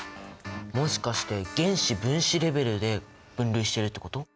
もしかして原子・分子レベルで分類してるってこと？